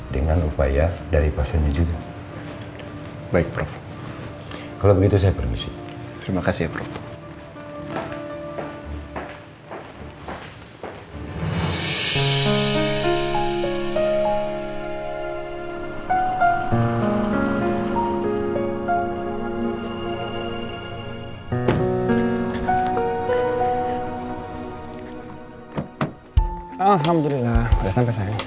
terima kasih ya